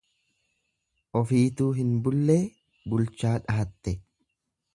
Ofiituu hin bullee bulchaa dhahatte.